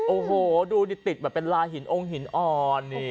โอ้โหดูนี่ติดแบบเป็นลาหินองค์หินอ่อน